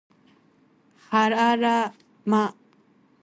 はあら、ま